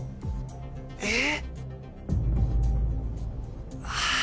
えっ。